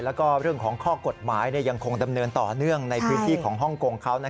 แล้วก็เรื่องของข้อกฎหมายยังคงดำเนินต่อเนื่องในพื้นที่ของฮ่องกงเขา